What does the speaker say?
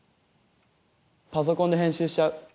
パソコンで編集しちゃう。